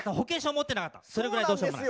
それぐらいどうしようもない。